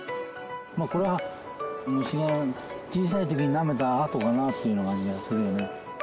これは虫が小さい時になめたあとかなっていうような感じはするよね。